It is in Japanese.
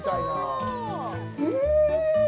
うん！